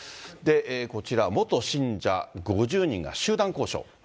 こちら、元信者５０人が集団交渉。